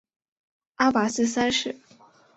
阿拔斯三世。